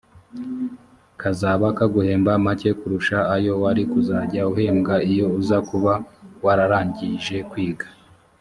kazaba kaguhemba make kurusha ayo wari kuzajya uhembwa iyo uza kuba wararangije kwiga